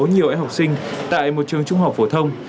nhiều em học sinh tại một trường trung học phổ thông